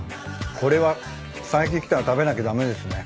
これは佐伯来たら食べなきゃ駄目ですね。